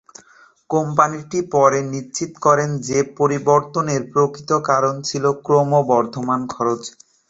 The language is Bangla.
কোম্পানিটি পরে নিশ্চিত করে যে পরিবর্তনের প্রকৃত কারণ ছিল ক্রমবর্ধমান খরচ।